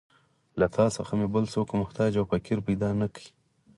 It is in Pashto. له تا څخه مې بل څوک محتاج او فقیر پیدا نه کړ.